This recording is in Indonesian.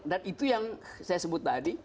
dan itu yang saya sebut tadi